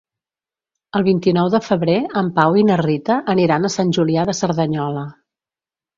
El vint-i-nou de febrer en Pau i na Rita aniran a Sant Julià de Cerdanyola.